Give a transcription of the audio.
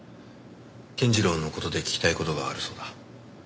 健次郎の事で聞きたい事があるそうだ。